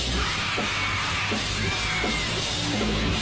ส่วนยังแบร์ดแซมแบร์ด